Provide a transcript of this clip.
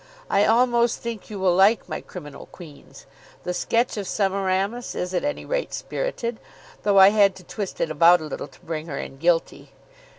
I almost think you will like my "Criminal Queens." The sketch of Semiramis is at any rate spirited, though I had to twist it about a little to bring her in guilty.